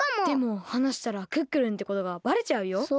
でもはなしたらクックルンってことがばれちゃうよ。